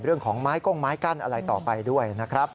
เรื่องของไม้ก้งไม้กั้นอะไรต่อไปด้วยนะครับ